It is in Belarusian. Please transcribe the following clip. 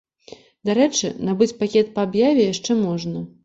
Дарэчы, набыць пакет па аб'яве яшчэ можна.